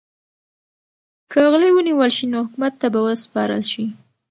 که غله ونیول شي نو حکومت ته به وسپارل شي.